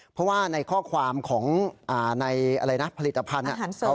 เพราะว่าในข้อความของในอะไรนะผลิตภัณฑ์